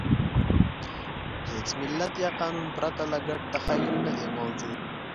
هېڅ ملت یا قانون پرته له ګډ تخیل نهدی موجود.